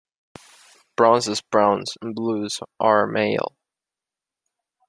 Bronzes, browns, and blues are male.